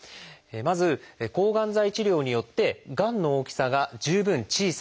まず抗がん剤治療によってがんの大きさが十分小さくなる。